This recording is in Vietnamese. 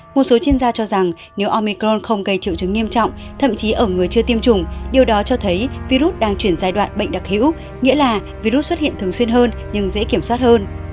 một số chuyên gia cho rằng nếu omicron không gây triệu chứng nghiêm trọng thậm chí ở người chưa tiêm chủng điều đó cho thấy virus đang chuyển giai đoạn bệnh đặc hữu nghĩa là virus xuất hiện thường xuyên hơn nhưng dễ kiểm soát hơn